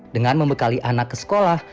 dengan membekali anak ke sekolah